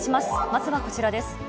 まずはこちらです。